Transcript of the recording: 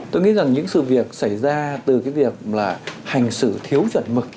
tôi nghĩ rằng những sự việc xảy ra từ cái việc là hành xử thiếu chuẩn mực